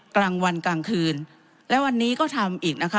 กลางวันกลางคืนและวันนี้ก็ทำอีกนะคะ